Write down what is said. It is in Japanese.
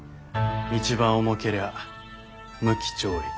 一番重けりゃ無期懲役。